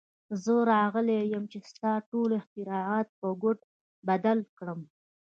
زه راغلی یم چې ستا ټول اختراعات په کوډ بدل کړم